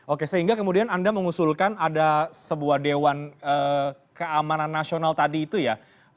oke sehingga kemudian anda mengusulkan ada sebuah dewan keamanan nasional tadi itu ya